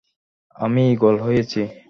আমি ঈগল হয়েছি!